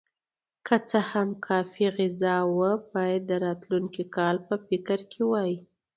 که څه هم کافي غذا وه، باید د راتلونکي کال په فکر کې وای.